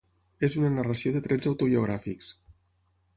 És una narració de trets autobiogràfics.